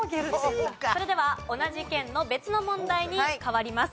それでは同じ県の別の問題に変わります。